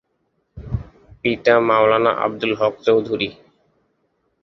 পিতা মাওলানা আবদুল হক চৌধুরী।